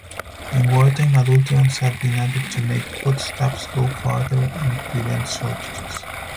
In wartime adulterants have been added to make foodstuffs "go further" and prevent shortages.